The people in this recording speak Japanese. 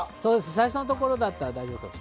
最初のところだったら大丈夫です。